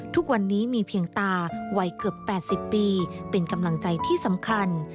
ทุกวันนี้มีเพียงตาวัยเกือบ๘๐ปีเป็นกำลังใจที่สำคัญ